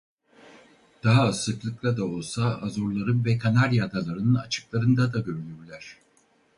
Daha az sıklıkla da olsa Azorların ve Kanarya Adaları'nın açıklarında da görülürler.